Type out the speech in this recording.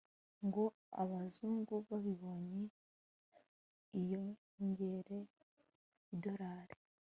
ngo abazungu babibone ,lyiyongere idorali